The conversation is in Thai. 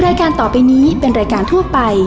รายการต่อไปนี้เป็นรายการทั่วไป